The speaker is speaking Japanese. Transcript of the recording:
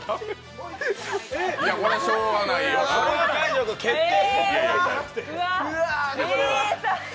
これはしようがないよな。